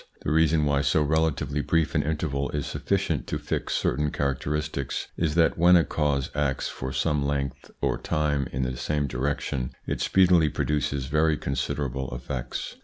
The reason why so relatively brief an interval is sufficient to fix certain characteristics is that when a cause acts for some length or time in the same direction, it speedily produces very considerable effects.